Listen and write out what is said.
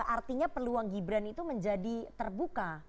artinya peluang gibran itu menjadi terbuka